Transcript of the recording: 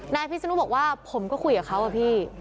นายพิศนุบอกว่าผมก็คุยกับเขาอะพี่